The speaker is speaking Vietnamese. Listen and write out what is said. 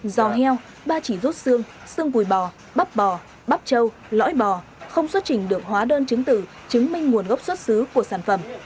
giò heo ba chỉ rốt xương xương bùi bò bắp bò bắp trâu lõi bò không xuất trình được hóa đơn trứng tử chứng minh nguồn gốc xuất xứ của sản phẩm